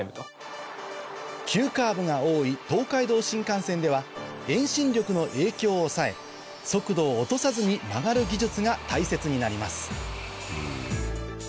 急カーブが多い東海道新幹線では遠心力の影響を抑え速度を落とさずに曲がる技術が大切になります